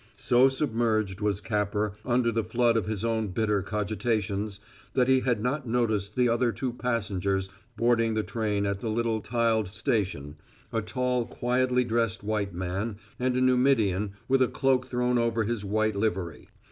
So submerged was Capper under the flood of his own bitter cogitations that he had not noticed the other two passengers boarding the train at the little tiled station a tall, quietly dressed white man and a Numidian with a cloak thrown over his white livery.